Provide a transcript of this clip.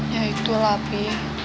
ya itulah bi